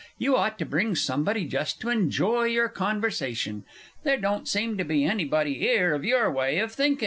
You ought to bring somebody just to enjoy your conversation. There don't seem to be anybody 'ere of your way of thinkin'.